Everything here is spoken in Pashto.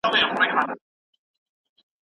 موږ په خپلو خبرو کي پښتو متلونه کاروو.